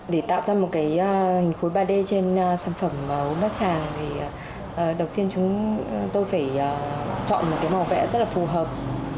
để tạo ra một cái hình khối ba d trên sản phẩm bát tràng thì đầu tiên chúng tôi phải chọn một cái màu vẽ rất là phù hợp